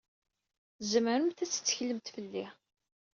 Tzemremt ad tetteklemt fell-i.